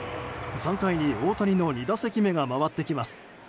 ３回に大谷の２打席目が回ってきます。